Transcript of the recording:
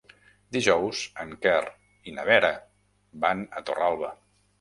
Dijous en Quer i na Vera van a Torralba.